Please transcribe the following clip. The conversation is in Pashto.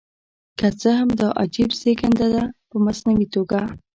که څه هم دا عجیب زېږېدنه په مصنوعي توګه.